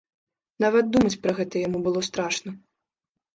Нават думаць пра гэта яму было страшна.